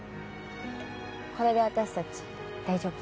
これで私たち大丈夫？